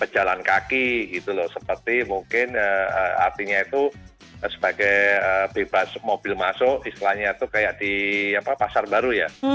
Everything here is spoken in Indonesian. jalan kaki gitu loh seperti mungkin artinya itu sebagai bebas mobil masuk istilahnya itu kayak di pasar baru ya